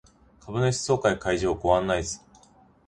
株主総会会場ご案内図